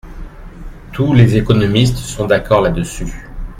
Tous les économistes sont d'accord là-dessus.